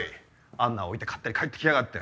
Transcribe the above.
アンナを置いて勝手に帰って来やがって。